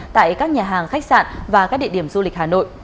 tại các nhà hàng khách sạn và các địa điểm du lịch hà nội